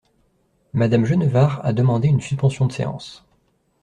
Madame Genevard a demandé une suspension de séance.